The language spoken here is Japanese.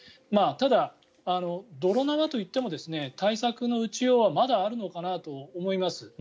ただ、泥縄といっても対策の打ちようはまだあるのかなと思います。